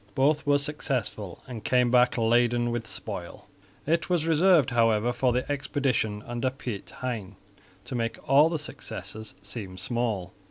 Both were successful and came back laden with spoil. It was reserved, however, for the expedition under Piet Hein to make all other successes seem small.